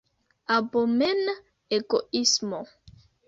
Abomena egoismo!